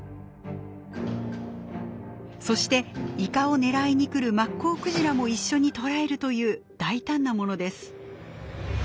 そしてイカを狙いにくるマッコウクジラも一緒に捉えるという大胆なものです。